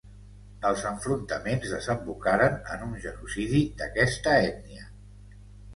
Els enfrontaments desembocaren en un genocidi d’aquesta ètnia.